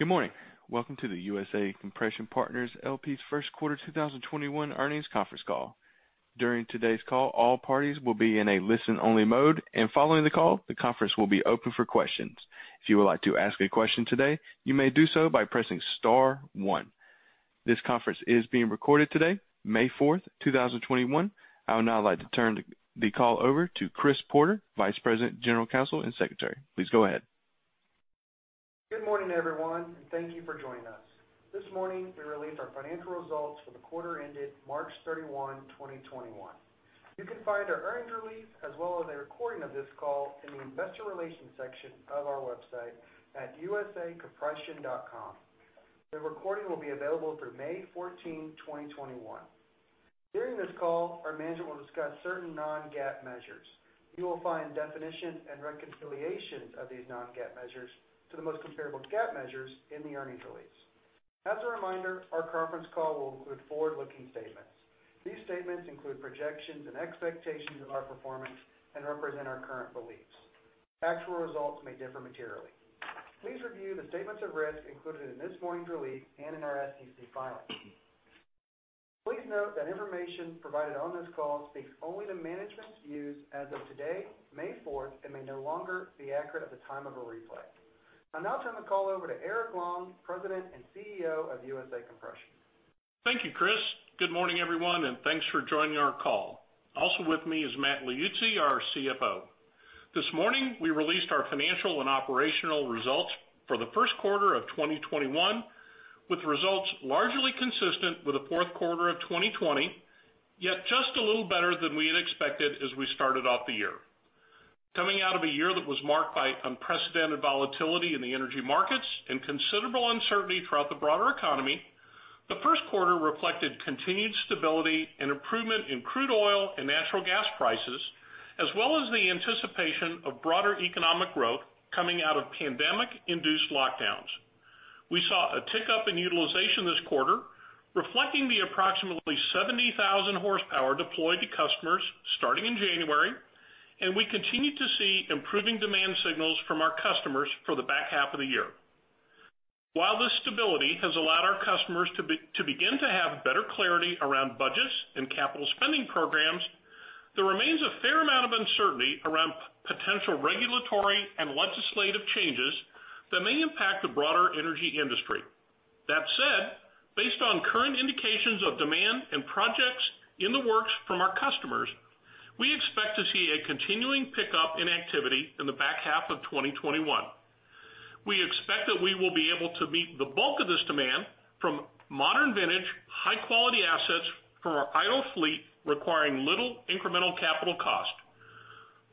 Good morning. Welcome to the USA Compression Partners, LP's first quarter 2021 earnings conference call. During today's call, all parties will be in a listen-only mode, and following the call, the conference will be open for questions. If you would like to ask a question today you may do so by pressing star one. This conference is being recorded today, May 4th, 2021. I would now like to turn the call over to Chris Porter, Vice President, General Counsel and Secretary. Please go ahead. Good morning, everyone, and thank you for joining us. This morning, we released our financial results for the quarter ended March 31, 2021. You can find our earnings release as well as a recording of this call in the investor relations section of our website at usacompression.com. The recording will be available through May 14, 2021. During this call, our management will discuss certain non-GAAP measures. You will find definitions and reconciliations of these non-GAAP measures to the most comparable GAAP measures in the earnings release. As a reminder, our conference call will include forward-looking statements. These statements include projections and expectations of our performance and represent our current beliefs. Actual results may differ materially. Please review the statements of risk included in this morning's release and in our SEC filings. Please note that information provided on this call speaks only to management's views as of today, May 4th, and may no longer be accurate at the time of a replay. I'll now turn the call over to Eric Long, President and CEO of USA Compression. Thank you, Chris. Good morning, everyone, and thanks for joining our call. Also with me is Matt Liuzzi, our CFO. This morning, we released our financial and operational results for the first quarter of 2021 with results largely consistent with the fourth quarter of 2020, yet just a little better than we had expected as we started off the year. Coming out of a year that was marked by unprecedented volatility in the energy markets and considerable uncertainty throughout the broader economy, the first quarter reflected continued stability and improvement in crude oil and natural gas prices, as well as the anticipation of broader economic growth coming out of pandemic-induced lockdowns. We saw a tick-up in utilization this quarter, reflecting the approximately 70,000 horsepower deployed to customers starting in January, and we continue to see improving demand signals from our customers for the back half of the year. While this stability has allowed our customers to begin to have better clarity around budgets and capital spending programs, there remains a fair amount of uncertainty around potential regulatory and legislative changes that may impact the broader energy industry. That said, based on current indications of demand and projects in the works from our customers, we expect to see a continuing pickup in activity in the back half of 2021. We expect that we will be able to meet the bulk of this demand from modern-vintage, high-quality assets from our idle fleet, requiring little incremental capital cost.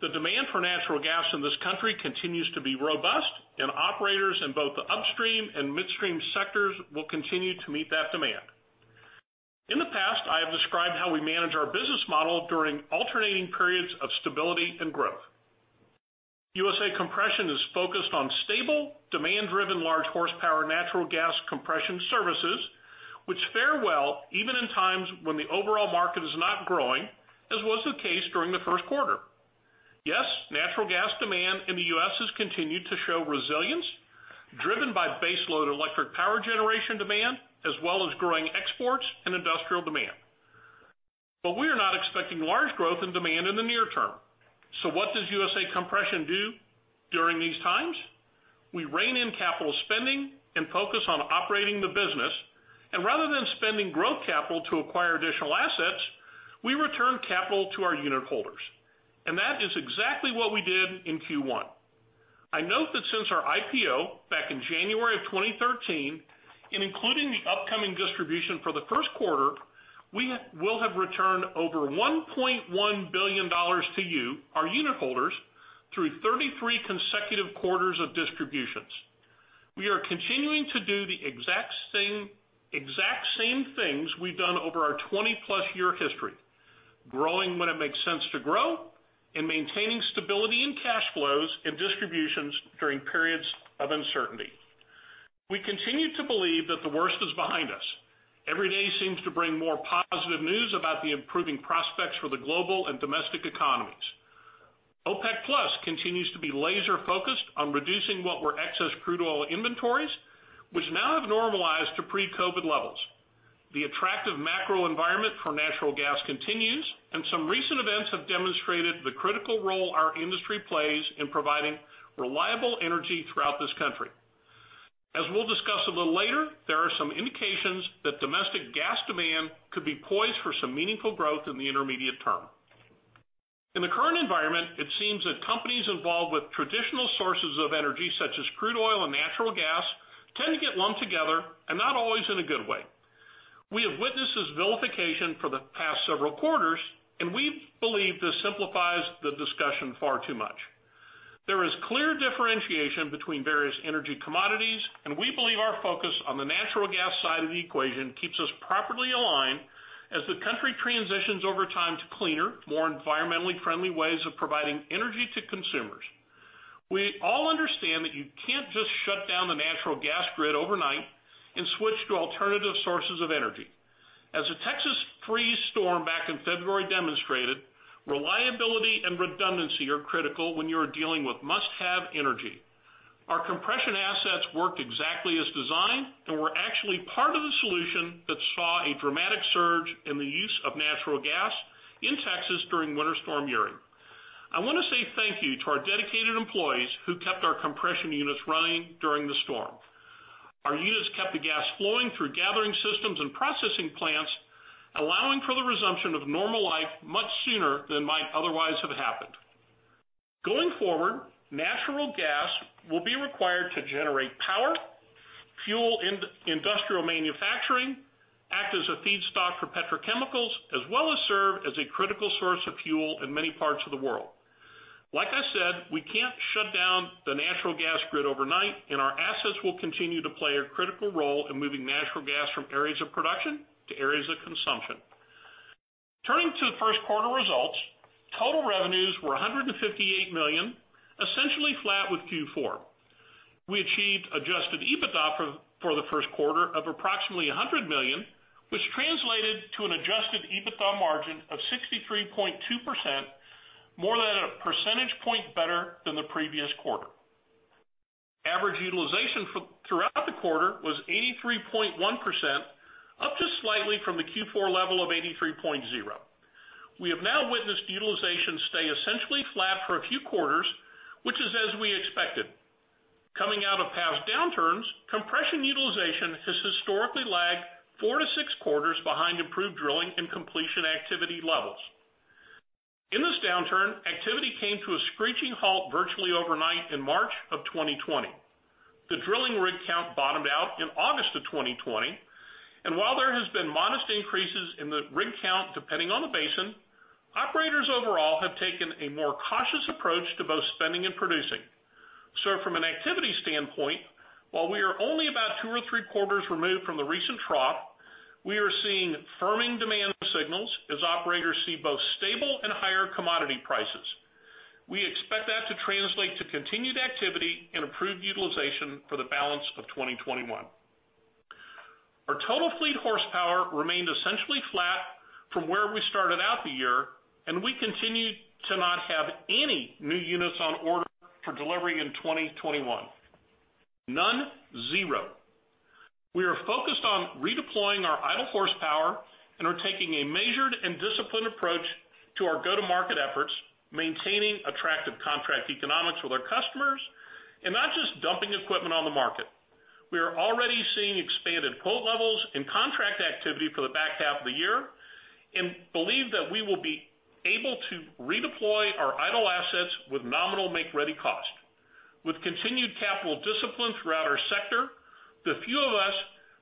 The demand for natural gas in this country continues to be robust, and operators in both the upstream and midstream sectors will continue to meet that demand. In the past, I have described how we manage our business model during alternating periods of stability and growth. USA Compression is focused on stable, demand-driven, large horsepower natural gas compression services, which fare well even in times when the overall market is not growing, as was the case during the first quarter. Natural gas demand in the U.S., has continued to show resilience, driven by base load electric power generation demand, as well as growing exports and industrial demand. We are not expecting large growth in demand in the near term. What does USA Compression do during these times? We rein in capital spending and focus on operating the business. Rather than spending growth capital to acquire additional assets, we return capital to our unit holders. That is exactly what we did in Q1. I note that since our IPO back in January of 2013, and including the upcoming distribution for the first quarter, we will have returned over $1.1 billion to you, our unit holders, through 33 consecutive quarters of distributions. We are continuing to do the exact same things we've done over our 20+ year history, growing when it makes sense to grow and maintaining stability in cash flows and distributions during periods of uncertainty. We continue to believe that the worst is behind us. Every day seems to bring more positive news about the improving prospects for the global and domestic economies. OPEC+ continues to be laser-focused on reducing what were excess crude oil inventories, which now have normalized to pre-COVID levels. Some recent events have demonstrated the critical role our industry plays in providing reliable energy throughout this country. As we'll discuss a little later, there are some indications that domestic gas demand could be poised for some meaningful growth in the intermediate term. In the current environment, it seems that companies involved with traditional sources of energy, such as crude oil and natural gas, tend to get lumped together and not always in a good way. We have witnessed this vilification for the past several quarters. We believe this simplifies the discussion far too much. There is clear differentiation between various energy commodities. We believe our focus on the natural gas side of the equation keeps us properly aligned as the country transitions over time to cleaner, more environmentally friendly ways of providing energy to consumers. We all understand that you can't just shut down the natural gas grid overnight and switch to alternative sources of energy. As [Texas Uri Storm] back in February demonstrated, reliability and redundancy are critical when you are dealing with must-have energy. Our compression assets worked exactly as designed and were actually part of the solution that saw a dramatic surge in the use of natural gas in Texas during Winter Storm Uri. I want to say thank you to our dedicated employees who kept our compression units running during the storm. Our units kept the gas flowing through gathering systems and processing plants, allowing for the resumption of normal life much sooner than might otherwise have happened. Going forward, natural gas will be required to generate power, fuel industrial manufacturing, act as a feedstock for petrochemicals, as well as serve as a critical source of fuel in many parts of the world. Like I said, we can't shut down the natural gas grid overnight, and our assets will continue to play a critical role in moving natural gas from areas of production to areas of consumption. Turning to the first quarter results, total revenues were $158 million, essentially flat with Q4. We achieved adjusted EBITDA for the first quarter of approximately $100 million, which translated to an adjusted EBITDA margin of 63.2%, more than a percentage point better than the previous quarter. Average utilization throughout the quarter was 83.1%, up just slightly from the Q4 level of 83.0%. We have now witnessed utilization stay essentially flat for a few quarters, which is as we expected. Coming out of past downturns, compression utilization has historically lagged 4 to 6 quarters behind improved drilling and completion activity levels. In this downturn, activity came to a screeching halt virtually overnight in March of 2020. While there has been modest increases in the rig count, depending on the basin, operators overall have taken a more cautious approach to both spending and producing. From an activity standpoint, while we are only about two or three quarters removed from the recent trough, we are seeing firming demand signals as operators see both stable and higher commodity prices. We expect that to translate to continued activity and improved utilization for the balance of 2021. Our total fleet horsepower remained essentially flat from where we started out the year, and we continue to not have any new units on order for delivery in 2021. None. Zero. We are focused on redeploying our idle horsepower and are taking a measured and disciplined approach to our go-to-market efforts, maintaining attractive contract economics with our customers and not just dumping equipment on the market. We are already seeing expanded quote levels and contract activity for the back half of the year and believe that we will be able to redeploy our idle assets with nominal make-ready cost. With continued capital discipline throughout our sector, the few of us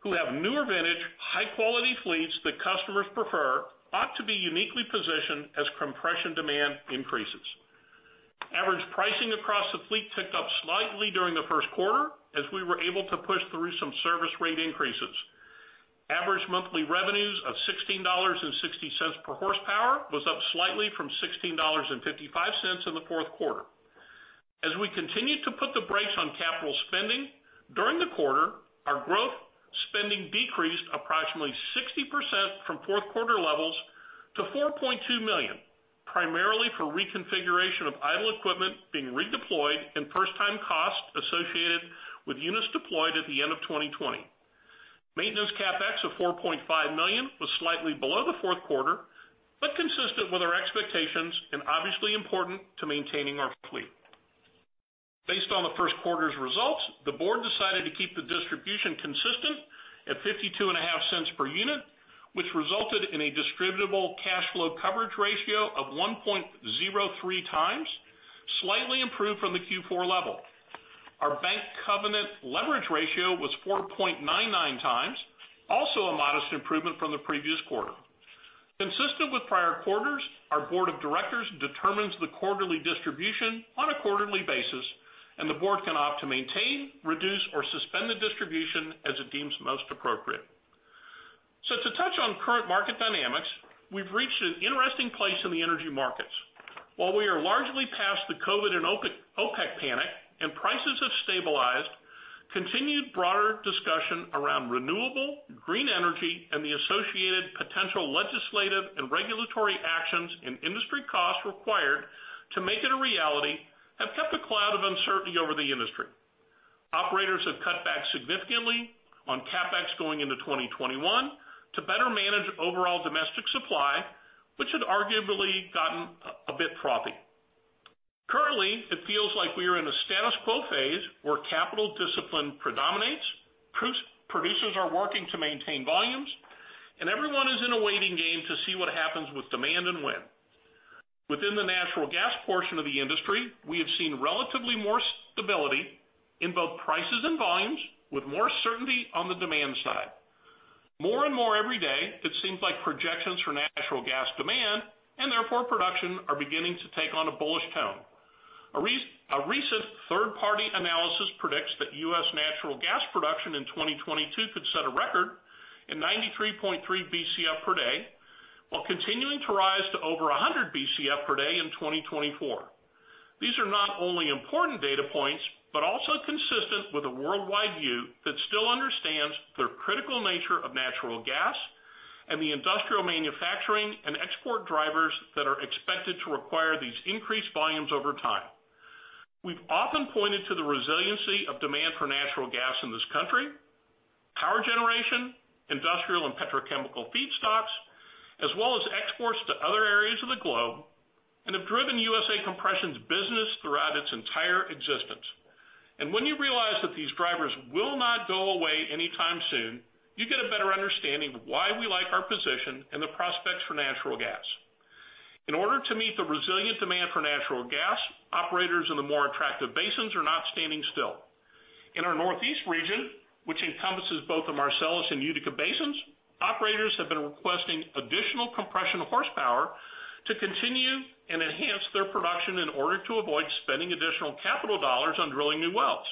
who have newer vintage, high-quality fleets that customers prefer ought to be uniquely positioned as compression demand increases. Average pricing across the fleet ticked up slightly during the first quarter as we were able to push through some service rate increases. Average monthly revenues of $16.60 per horsepower was up slightly from $16.55 in the fourth quarter. As we continued to put the brakes on capital spending, during the quarter, our growth spending decreased approximately 60% from fourth quarter levels to $4.2 million, primarily for reconfiguration of idle equipment being redeployed and first-time costs associated with units deployed at the end of 2020. Maintenance CapEx of $4.5 million was slightly below the fourth quarter, but consistent with our expectations and obviously important to maintaining our fleet. Based on the first quarter's results, the board decided to keep the distribution consistent at $0.525 per unit, which resulted in a distributable cash flow coverage ratio of 1.03x, slightly improved from the Q4 level. Our bank covenant leverage ratio was 4.99x, also a modest improvement from the previous quarter. Consistent with prior quarters, our board of directors determines the quarterly distribution on a quarterly basis. The board can opt to maintain, reduce, or suspend the distribution as it deems most appropriate. To touch on current market dynamics, we've reached an interesting place in the energy markets. While we are largely past the COVID and OPEC panic and prices have stabilized, continued broader discussion around renewable green energy and the associated potential legislative and regulatory actions and industry costs required to make it a reality have kept a cloud of uncertainty over the industry. Operators have cut back significantly on CapEx going into 2021 to better manage overall domestic supply, which had arguably gotten a bit frothy. Currently, it feels like we are in a status quo phase where capital discipline predominates, producers are working to maintain volumes, and everyone is in a waiting game to see what happens with demand and when. Within the natural gas portion of the industry, we have seen relatively more stability in both prices and volumes with more certainty on the demand side. More and more every day, it seems like projections for natural gas demand and therefore production are beginning to take on a bullish tone. A recent third-party analysis predicts that US natural gas production in 2022 could set a record in 93.3 BCF per day, while continuing to rise to over 100 BCF per day in 2024. These are not only important data points, but also consistent with a worldwide view that still understands their critical nature of natural gas and the industrial manufacturing and export drivers that are expected to require these increased volumes over time. We've often pointed to the resiliency of demand for natural gas in this country, power generation, industrial and petrochemical feedstocks, as well as exports to other areas of the globe, and have driven USA Compression's business throughout its entire existence. When you realize that these drivers will not go away anytime soon, you get a better understanding of why we like our position and the prospects for natural gas. In order to meet the resilient demand for natural gas, operators in the more attractive basins are not standing still. In our Northeast region, which encompasses both the Marcellus and Utica basins, operators have been requesting additional compression horsepower to continue and enhance their production in order to avoid spending additional capital dollars on drilling new wells.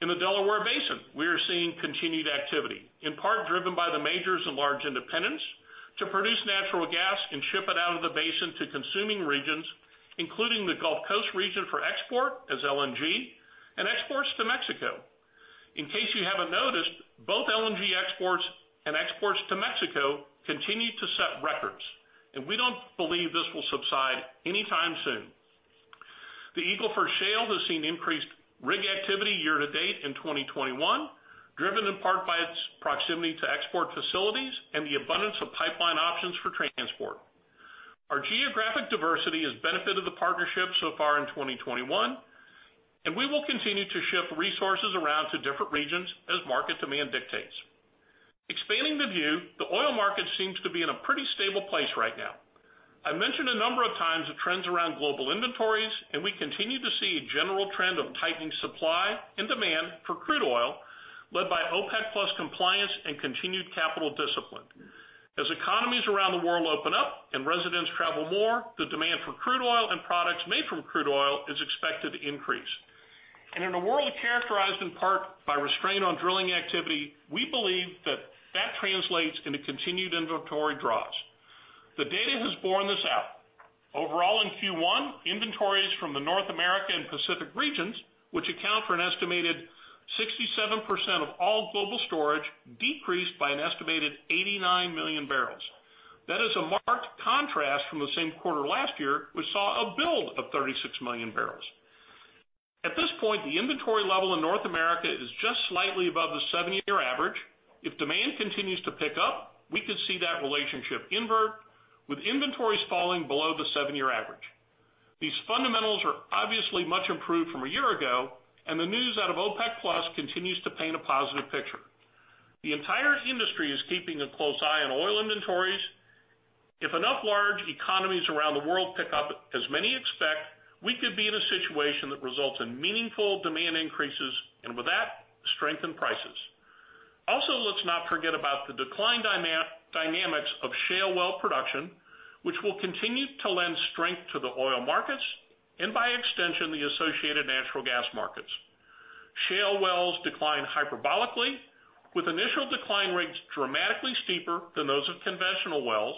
In the Delaware Basin, we are seeing continued activity, in part driven by the majors and large independents to produce natural gas and ship it out of the basin to consuming regions, including the Gulf Coast region for export as LNG and exports to Mexico. In case you haven't noticed, both LNG exports and exports to Mexico continue to set records, and we don't believe this will subside anytime soon. The Eagle Ford Shale has seen increased rig activity year to date in 2021, driven in part by its proximity to export facilities and the abundance of pipeline options for transport. Our geographic diversity has benefited the partnership so far in 2021, and we will continue to shift resources around to different regions as market demand dictates. Expanding the view, the oil market seems to be in a pretty stable place right now. I mentioned a number of times the trends around global inventories, and we continue to see a general trend of tightening supply and demand for crude oil led by OPEC+ compliance and continued capital discipline. As economies around the world open up and residents travel more, the demand for crude oil and products made from crude oil is expected to increase. In a world characterized in part by restraint on drilling activity, we believe that that translates into continued inventory draws. The data has borne this out. Overall, in Q1, inventories from the North America and Pacific regions, which account for an estimated 67% of all global storage, decreased by an estimated 89 million barrels. That is a marked contrast from the same quarter last year, which saw a build of 36 million barrels. At this point, the inventory level in North America is just slightly above the seven-year average. If demand continues to pick up, we could see that relationship invert, with inventories falling below the seven-year average. These fundamentals are obviously much improved from a year ago, and the news out of OPEC+ continues to paint a positive picture. The entire industry is keeping a close eye on oil inventories. If enough large economies around the world pick up as many expect, we could be in a situation that results in meaningful demand increases, and with that, strengthened prices. Also, let's not forget about the decline dynamics of shale well production, which will continue to lend strength to the oil markets and by extension, the associated natural gas markets. Shale wells decline hyperbolically, with initial decline rates dramatically steeper than those of conventional wells,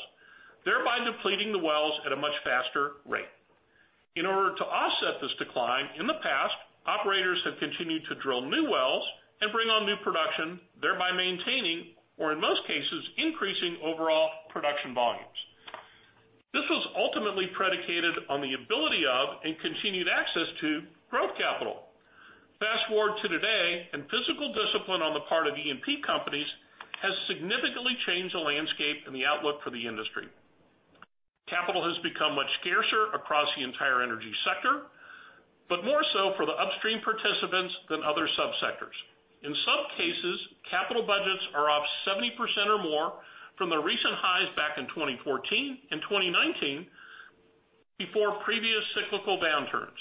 thereby depleting the wells at a much faster rate. In order to offset this decline, in the past, operators have continued to drill new wells and bring on new production, thereby maintaining, or in most cases, increasing overall production volumes. This was ultimately predicated on the ability of and continued access to growth capital. Fast-forward to today, fiscal discipline on the part of E&P companies has significantly changed the landscape and the outlook for the industry. Capital has become much scarcer across the entire energy sector, but more so for the upstream participants than other sub-sectors. In some cases, capital budgets are off 70% or more from the recent highs back in 2014 and 2019 before previous cyclical downturns.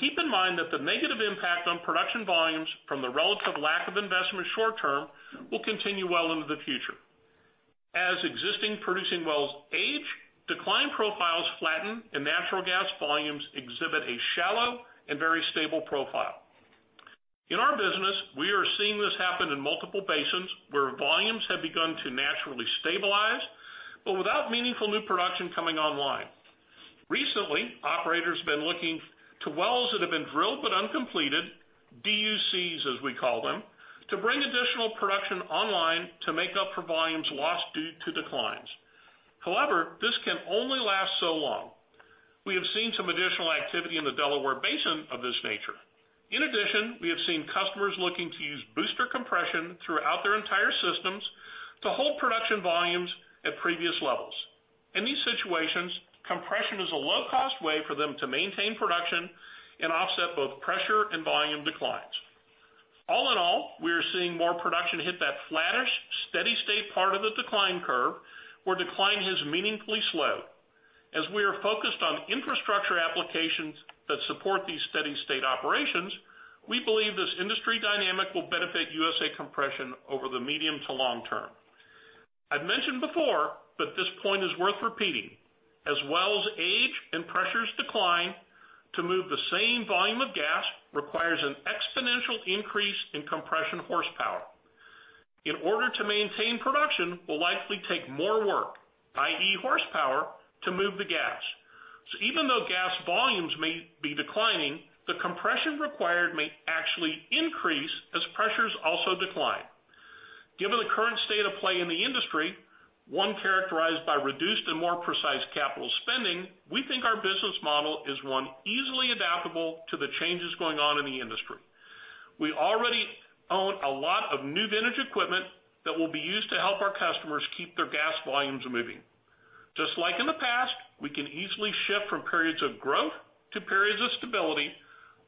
Keep in mind that the negative impact on production volumes from the relative lack of investment short-term will continue well into the future. As existing producing wells age, decline profiles flatten and natural gas volumes exhibit a shallow and very stable profile. In our business, we are seeing this happen in multiple basins where volumes have begun to naturally stabilize, but without meaningful new production coming online. Recently, operators been looking to wells that have been drilled but uncompleted, DUCs, as we call them, to bring additional production online to make up for volumes lost due to declines. However, this can only last so long. We have seen some additional activity in the Delaware Basin of this nature. In addition, we have seen customers looking to use booster compression throughout their entire systems to hold production volumes at previous levels. In these situations, compression is a low-cost way for them to maintain production and offset both pressure and volume declines. All in all, we are seeing more production hit that flattish, steady state part of the decline curve, where decline is meaningfully slow. As we are focused on infrastructure applications that support these steady state operations, we believe this industry dynamic will benefit USA Compression over the medium to long term. I've mentioned before, but this point is worth repeating. As wells age and pressures decline, to move the same volume of gas requires an exponential increase in compression horsepower. In order to maintain production, it will likely take more work, i.e. horsepower, to move the gas. Even though gas volumes may be declining, the compression required may actually increase as pressures also decline. Given the current state of play in the industry, one characterized by reduced and more precise capital spending, we think our business model is one easily adaptable to the changes going on in the industry. We already own a lot of new vintage equipment that will be used to help our customers keep their gas volumes moving. Just like in the past, we can easily shift from periods of growth to periods of stability,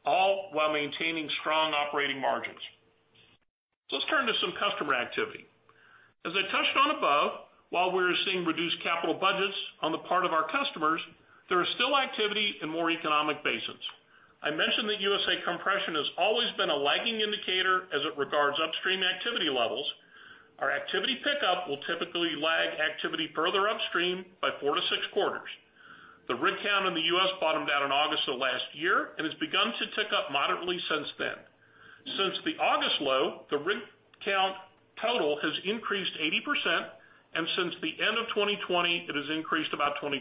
all while maintaining strong operating margins. Let's turn to some customer activity. As I touched on above, while we're seeing reduced capital budgets on the part of our customers, there is still activity in more economic basins. I mentioned that USA Compression has always been a lagging indicator as it regards upstream activity levels. Our activity pickup will typically lag activity further upstream by four to six quarters. The rig count in the U.S., bottomed out in August of last year and has begun to tick up moderately since then. Since the August low, the rig count total has increased 80%, and since the end of 2020, it has increased about 25%.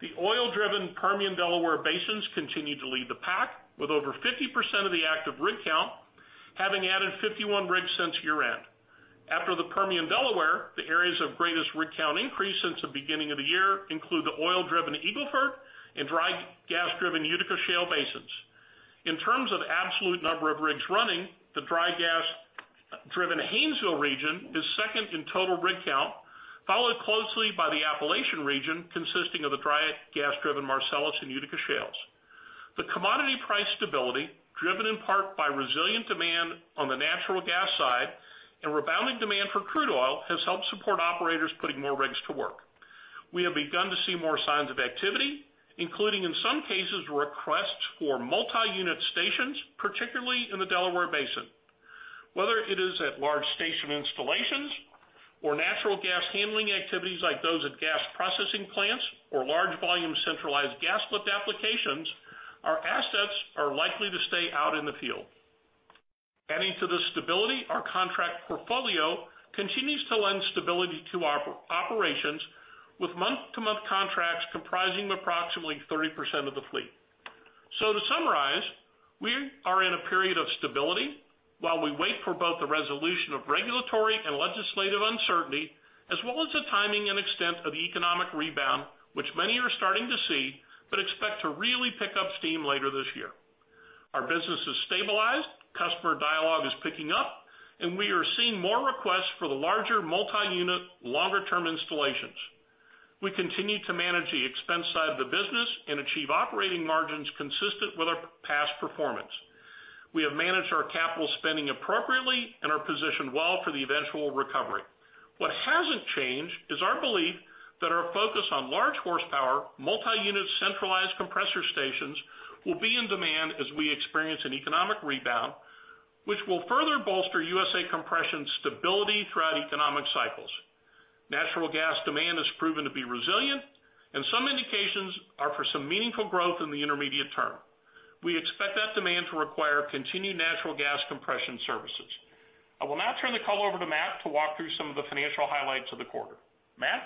The oil-driven Permian Delaware basins continue to lead the pack, with over 50% of the active rig count having added 51 rigs since year-end. After the Permian Delaware, the areas of greatest rig count increase since the beginning of the year include the oil-driven Eagle Ford and dry gas-driven Utica Shale basins. In terms of absolute number of rigs running, the dry gas-driven Haynesville region is second in total rig count, followed closely by the Appalachian region, consisting of the dry gas-driven Marcellus and Utica shales. The commodity price stability, driven in part by resilient demand on the natural gas side and rebounding demand for crude oil, has helped support operators putting more rigs to work. We have begun to see more signs of activity, including, in some cases, requests for multi-unit stations, particularly in the Delaware basin. Whether it is at large station installations or natural gas handling activities like those at gas processing plants or large volume centralized gas lift applications, our assets are likely to stay out in the field. Adding to the stability, our contract portfolio continues to lend stability to our operations, with month-to-month contracts comprising approximately 30% of the fleet. To summarize, we are in a period of stability while we wait for both the resolution of regulatory and legislative uncertainty, as well as the timing and extent of the economic rebound, which many are starting to see, but expect to really pick up steam later this year. Our business is stabilized, customer dialogue is picking up, and we are seeing more requests for the larger multi-unit longer-term installations. We continue to manage the expense side of the business and achieve operating margins consistent with our past performance. We have managed our capital spending appropriately and are positioned well for the eventual recovery. What hasn't changed is our belief that our focus on large horsepower, multi-unit centralized compressor stations will be in demand as we experience an economic rebound, which will further bolster USA Compression stability throughout economic cycles. Natural gas demand has proven to be resilient, and some indications are for some meaningful growth in the intermediate term. We expect that demand to require continued natural gas compression services. I will now turn the call over to Matt to walk through some of the financial highlights of the quarter. Matt?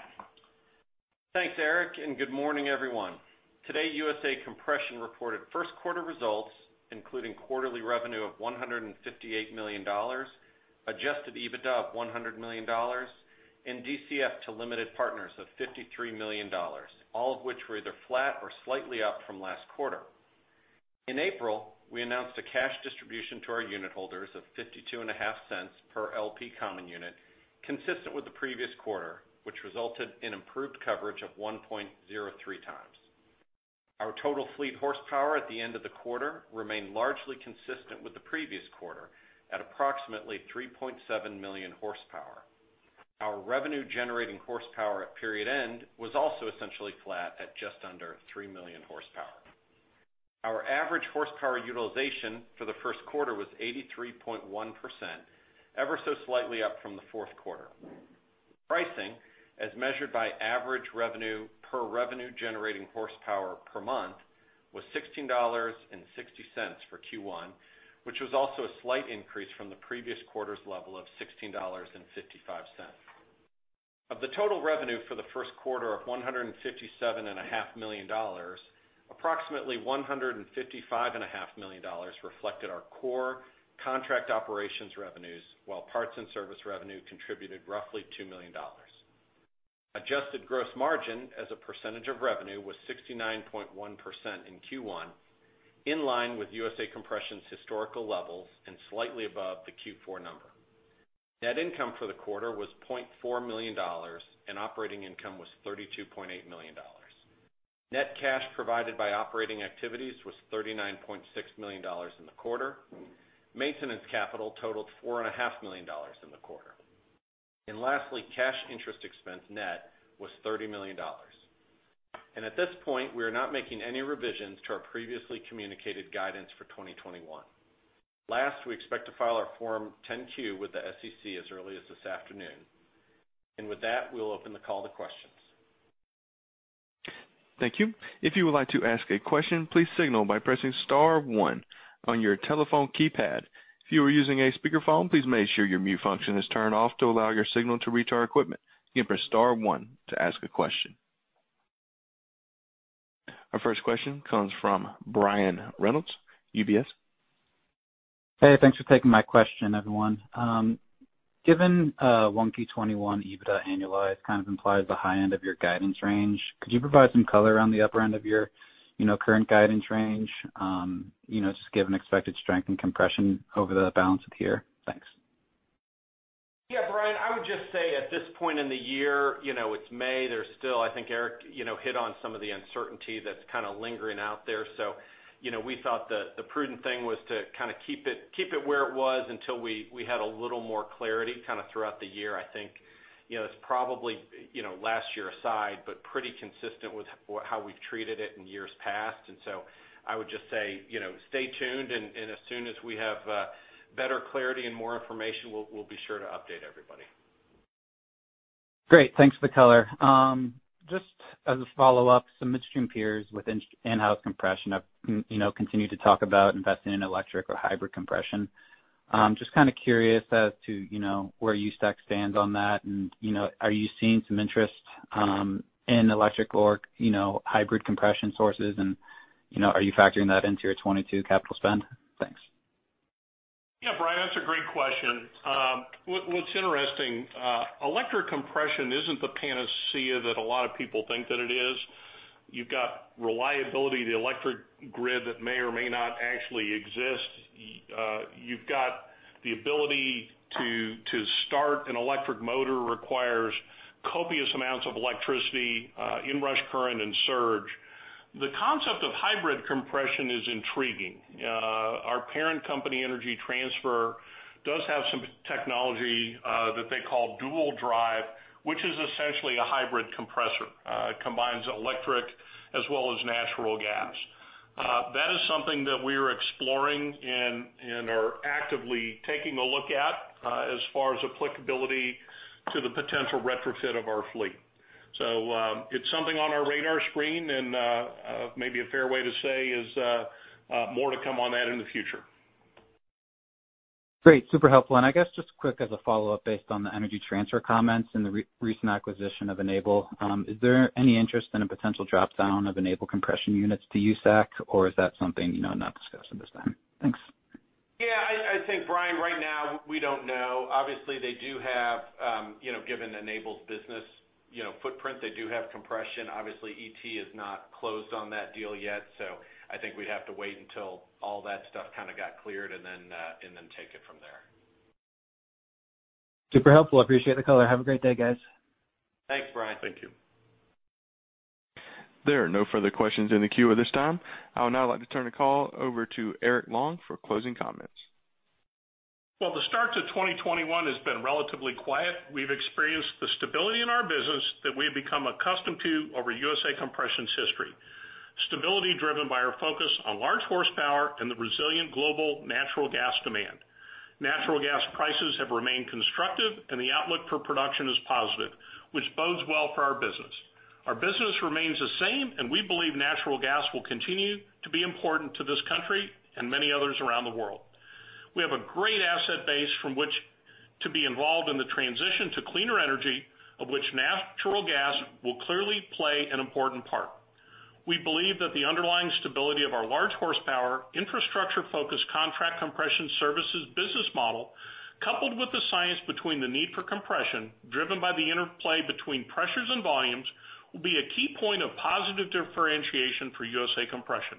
Thanks, Eric, and good morning, everyone. Today, USA Compression reported first quarter results, including quarterly revenue of $158 million, adjusted EBITDA of $100 million, and DCF to limited partners of $53 million, all of which were either flat or slightly up from last quarter. In April, we announced a cash distribution to our unit holders of $0.525 per LP common unit, consistent with the previous quarter, which resulted in improved coverage of 1.03x. Our total fleet horsepower at the end of the quarter remained largely consistent with the previous quarter at approximately 3.7 million horsepower. Our revenue-generating horsepower at period end was also essentially flat at just under 3 million horsepower. Our average horsepower utilization for the first quarter was 83.1%, ever so slightly up from the fourth quarter. Pricing, as measured by average revenue per revenue-generating horsepower per month, was $16.60 for Q1, which was also a slight increase from the previous quarter's level of $16.55. Of the total revenue for the first quarter of $157.5 million, approximately $155.5 million reflected our core contract operations revenues, while parts and service revenue contributed roughly $2 million. Adjusted gross margin as a percentage of revenue was 69.1% in Q1, in line with USA Compression's historical levels and slightly above the Q4 number. Net income for the quarter was $0.4 million, operating income was $32.8 million. Net cash provided by operating activities was $39.6 million in the quarter. Maintenance capital totaled $4.5 million in the quarter. Lastly, cash interest expense net was $30 million. At this point, we are not making any revisions to our previously communicated guidance for 2021. Last, we expect to file our Form 10-Q with the SEC as early as this afternoon. With that, we'll open the call to questions. Thank you. If you would like to ask a question, please signal by pressing star one on your telephone keypad if you are using a speaker phone please make sure your mute function is turned off to allow your signal to reach our equipment. [Press] star one to ask a question. Our first question comes from Brian Reynolds, UBS. Hey, thanks for taking my question, everyone. Given 1Q 21 EBITDA annualized kind of implies the high end of your guidance range, could you provide some color on the upper end of your current guidance range? Just given expected strength and compression over the balance of the year. Thanks. Yeah, Brian, I would just say at this point in the year, it's May. I think Eric hit on some of the uncertainty that's kind of lingering out there. We thought the prudent thing was to kind of keep it where it was until we had a little more clarity kind of throughout the year. I think it's probably, last year aside, but pretty consistent with how we've treated it in years past. I would just say stay tuned and as soon as we have better clarity and more information, we'll be sure to update everybody. Great. Thanks for the color. Just as a follow-up, some midstream peers with in-house compression have continued to talk about investing in electric or hybrid compression. Just kind of curious as to where USAC stands on that, and are you seeing some interest in electric or hybrid compression sources and are you factoring that into your 2022 capital spend? Thanks. Yeah, Brian, that's a great question. What's interesting, electric compression isn't the panacea that a lot of people think that it is. You've got reliability of the electric grid that may or may not actually exist. You've got the ability to start an electric motor requires copious amounts of electricity, in-rush current, and surge. The concept of hybrid compression is intriguing. Our parent company, Energy Transfer, does have some technology that they call Dual Drive, which is essentially a hybrid compressor. It combines electric as well as natural gas. That is something that we are exploring and are actively taking a look at as far as applicability to the potential retrofit of our fleet. It's something on our radar screen, and maybe a fair way to say is more to come on that in the future. Great. Super helpful, I guess just quick as a follow-up, based on the Energy Transfer comments and the recent acquisition of Enable, is there any interest in a potential drop-down of Enable compression units to USAC, or is that something not discussed at this time? Thanks. I think, Brian, right now, we don't know. Given Enable's business footprint, they do have compression. ET is not closed on that deal yet, I think we'd have to wait until all that stuff kind of got cleared and then take it from there. Super helpful. Appreciate the color. Have a great day, guys. Thanks, Brian. Thank you. There are no further questions in the queue at this time. I would now like to turn the call over to Eric Long for closing comments. Well, the start to 2021 has been relatively quiet. We've experienced the stability in our business that we have become accustomed to over USA Compression's history. Stability driven by our focus on large horsepower and the resilient global natural gas demand. Natural gas prices have remained constructive, and the outlook for production is positive, which bodes well for our business. Our business remains the same, and we believe natural gas will continue to be important to this country and many others around the world. We have a great asset base from which to be involved in the transition to cleaner energy, of which natural gas will clearly play an important part. We believe that the underlying stability of our large horsepower, infrastructure-focused contract compression services business model, coupled with the science between the need for compression, driven by the interplay between pressures and volumes, will be a key point of positive differentiation for USA Compression.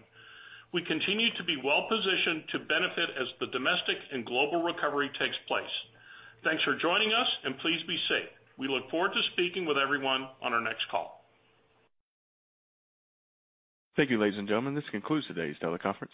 We continue to be well positioned to benefit as the domestic and global recovery takes place. Thanks for joining us, and please be safe. We look forward to speaking with everyone on our next call. Thank you, ladies and gentlemen. This concludes today's teleconference.